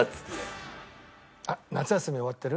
夏休み終わってる？